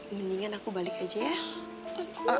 mendingan aku balik aja ya